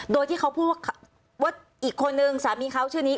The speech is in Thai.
โดยที่เขาพูดว่าอีกคนนึงสามีเขาชื่อนี้